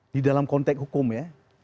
di dalam konteks hukum ya